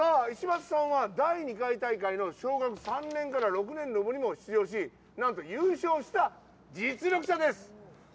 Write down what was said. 石橋さんは、第２回大会の小学３年から６年の部にも出場しなんと優勝した実力者です。